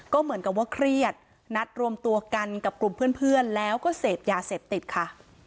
ก็เหมือนกับว่าเครียดนัดรวมตัวกันกับกลุ่มเพื่อนแล้วก็เสพยาเสพติดค่ะ